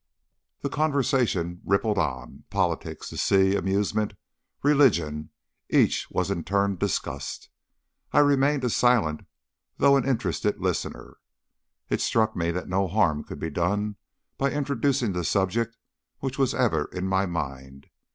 The conversation rippled on. Politics, the sea, amusements, religion, each was in turn discussed. I remained a silent though an interested listener. It struck me that no harm could be done by introducing the subject which was ever in my mind.